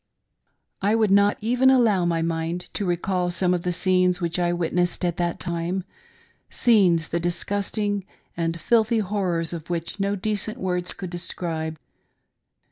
I would not even allow my mind to recall some of the scenes which I witnessed at that time : scenes, the disgusting and filthy horrors of which, no decent words pould describe.